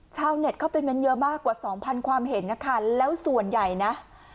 ชาวเน็ตเข้าไปเม้นเยอะมากกว่าสองพันความเห็นนะคะแล้วส่วนใหญ่นะ